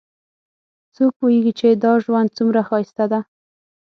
څوک پوهیږي چې دا ژوند څومره ښایسته ده